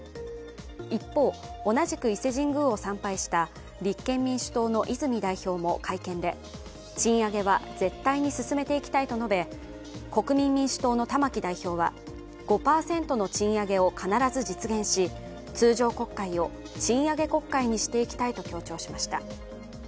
一方、同じく伊勢神宮を参拝した立憲民主党の泉代表も会見で、賃上げは絶対に進めていきたいと述べ国民民主党の玉木代表は、５％の賃上げを必ず実現し、通常国会を賃上げ国会にしていきたいと強調しました。